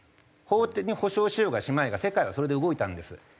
法的に保障しようがしまいが世界はそれで動いたんです。